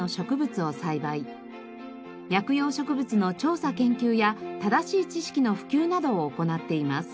薬用植物の調査研究や正しい知識の普及などを行っています。